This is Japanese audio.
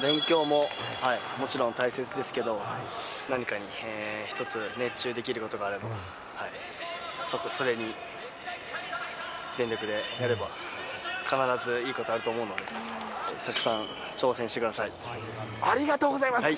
勉強ももちろん大切ですけど、何かに一つ、熱中できることがあれば、それに全力でやれば必ずいいことあると思うので、ありがとうございます。